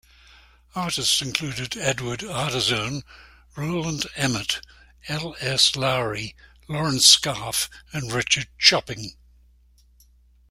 Artists included Edward Ardizzone, Roland Emmett, L. S. Lowry, Lawrence Scarfe and Richard Chopping.